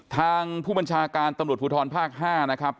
ทางผู้บัญชาการตำรวจภูทรภาค๕นะครับ